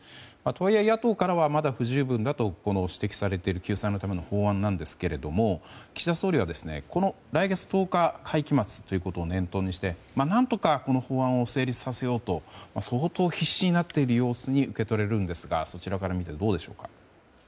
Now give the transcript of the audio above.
とはいえ、野党からはまだ不十分だと指摘されている救済のための法案ですが岸田総理は来月１０日、会期末ということを念頭にして、何とかこの法案を成立させようと相当、必死になっているように受け取れますがそちらから見てどうでしょうか。